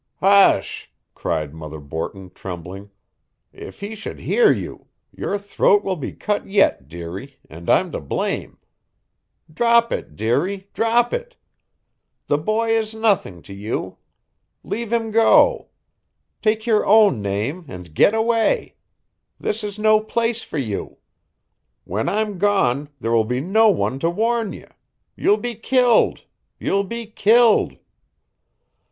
"Hush," cried Mother Borton trembling. "If he should hear you! Your throat will be cut yet, dearie, and I'm to blame. Drop it, dearie, drop it. The boy is nothing to you. Leave him go. Take your own name and get away. This is no place for you. When I'm gone there will be no one to warn ye. You'll be killed. You'll be killed."